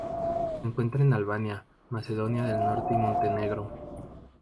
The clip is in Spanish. Se encuentra en Albania, Macedonia del Norte y Montenegro.